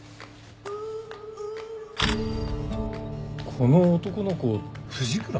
この男の子藤倉？